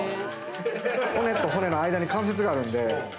骨と骨の間に関節があるので。